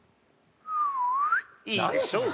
いいでしょう。